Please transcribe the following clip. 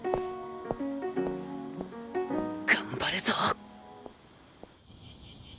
頑張るぞ！